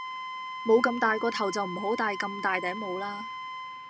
冇咁大個頭就唔好帶咁大頂帽啦